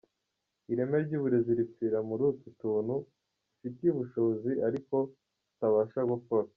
Ireme ry’uburezi ripfira muri utu tuntu dufitiye ubushobozi ariko tutabasha gukora.